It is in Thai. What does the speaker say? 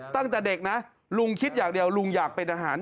ตั้งแต่เด็กนะลุงคิดอย่างเดียวลุงอยากเป็นอาหาร